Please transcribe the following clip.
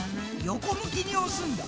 横向きに押すんだ。